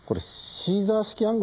シーザー式暗号？